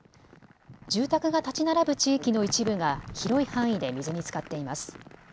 住宅が建ち並ぶ地域の一部が広い範囲で水につかっています。